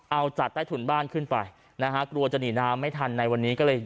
เอาจากใต้ถุนบ้านขึ้นไปนะฮะกลัวจะหนีน้ำไม่ทันในวันนี้ก็เลย